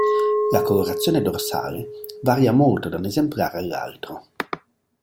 La colorazione dorsale varia molto da un esemplare all'altro.